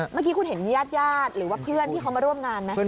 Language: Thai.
เมื่อกี้คุณเห็นญาติญาติหรือว่าเพื่อนที่เขามาร่วมงานไหม